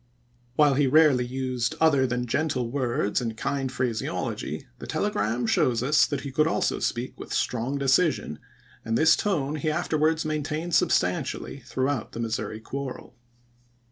While he rarely used other p. 281." than gentle words and kind phraseology, the tele gram shows us that he could also speak with strong decision, and this tone he afterwards maintained substantially throughout the Missouri quarrel.